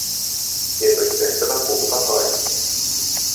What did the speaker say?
Hierdurch wirke das Buch überzeugend.